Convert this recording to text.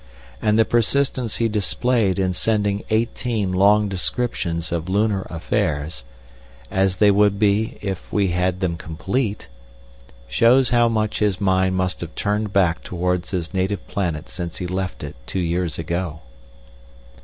And the persistence he displayed in sending eighteen long descriptions of lunar affairs—as they would be if we had them complete—shows how much his mind must have turned back towards his native planet since he left it two years ago.